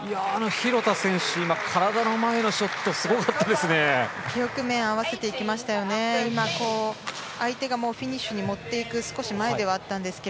廣田選手、体の前のショットすごかったですね。